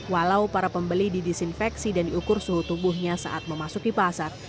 walau para pembeli didisinfeksi dan diukur suhu tubuhnya saat memasuki pasar